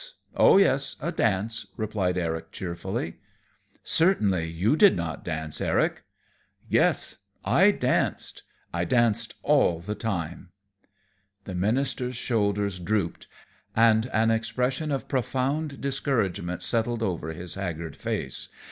Oh, yes, a dance," replied Eric, cheerfully. "Certainly you did not dance, Eric?" "Yes, I danced. I danced all the time." The minister's shoulders drooped, and an expression of profound discouragement settled over his haggard face.